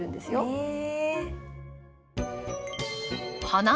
へえ。